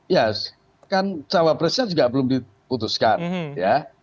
ya kan cawapresnya juga belum diputuskan ya